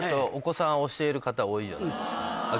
方多いじゃないですか。